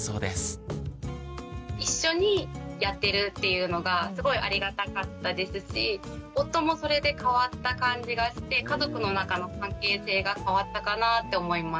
一緒にやってるっていうのがすごいありがたかったですし夫もそれで変わった感じがして家族の中の関係性が変わったかなって思います。